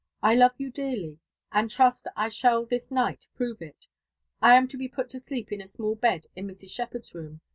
I love you dearly, and trust I shall this night prove it. I am to be put to sleep in a small bed in Mrs. Shepherd's room.